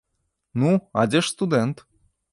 Ну, а дзе ж студэнт?